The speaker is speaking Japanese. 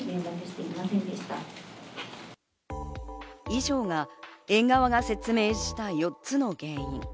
以上が園側が説明した４つの原因。